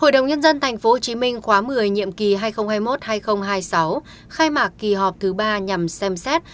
hội đồng nhân dân tp hcm khóa một mươi nhiệm kỳ hai nghìn hai mươi một hai nghìn hai mươi sáu khai mạc kỳ họp thứ ba nhằm xem xét